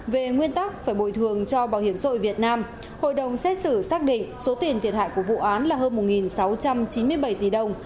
về nguyên tắc phải bồi thường cho bảo hiểm xã hội việt nam hội đồng xét xử xác định số tiền thiệt hại của vụ án là hơn một sáu trăm chín mươi bảy tỷ đồng